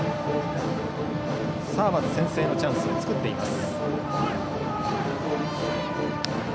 まず先制のチャンスを作っています